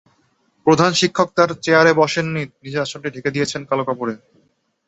প্রধান শিক্ষক তাঁর চেয়ারে বসেননি, নিজের আসনটি তিনি ঢেকে দিয়েছেন কালো কাপড়ে।